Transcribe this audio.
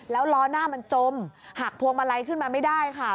แล้วล้อหน้ามันจมหักพวงมาลัยขึ้นมาไม่ได้ค่ะ